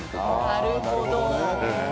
なるほど。